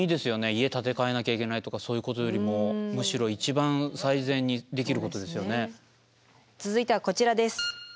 家建て替えなきゃいけないとかそういうことよりもむしろ続いてはこちらです。